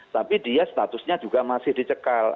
tapi dia statusnya juga masih dicekal